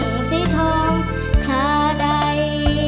มองถุงสีทองคาใด